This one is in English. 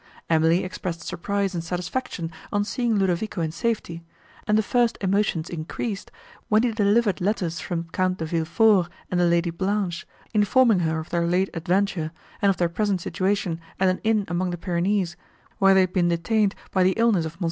Emily expressed surprise and satisfaction, on seeing Ludovico in safety, and the first emotions increased, when he delivered letters from Count De Villefort and the Lady Blanche, informing her of their late adventure, and of their present situation at an inn among the Pyrenees, where they had been detained by the illness of Mons.